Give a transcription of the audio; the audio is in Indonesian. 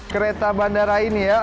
kereta bandara ini ya